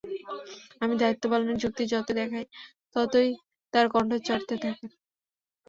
আমি দায়িত্ব পালনের যুক্তি যতই দেখাই, ততই তাঁর কণ্ঠ চড়তে থাকে।